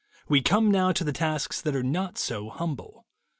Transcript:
We »* come now to the tasks that are not so humble.